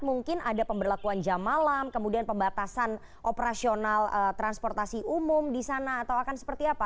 mungkin ada pemberlakuan jam malam kemudian pembatasan operasional transportasi umum di sana atau akan seperti apa